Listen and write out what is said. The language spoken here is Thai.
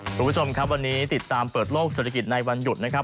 คุณผู้ชมครับวันนี้ติดตามเปิดโลกเศรษฐกิจในวันหยุดนะครับ